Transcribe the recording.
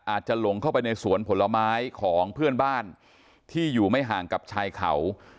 หลงเข้าไปในสวนผลไม้ของเพื่อนบ้านที่อยู่ไม่ห่างกับชายเขา